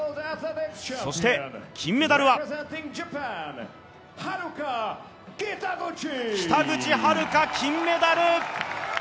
そして金メダルは北口榛花、金メダル！